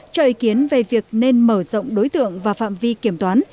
cho ý kiến về việc nên mở rộng đối tượng và phạm vi kiểm toán